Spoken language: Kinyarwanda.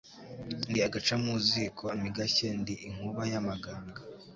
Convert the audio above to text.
Ndi agaca mu ziko ntigashye ndi inkuba y,amaganga